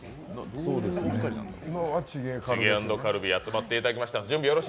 チゲ＆カルビ、集まっていただきました。